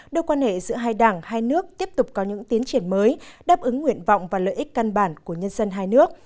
đưa quan hệ giữa hai đảng hai nước tiếp tục có những tiến triển mới đáp ứng nguyện vọng và lợi ích căn bản của nhân dân hai nước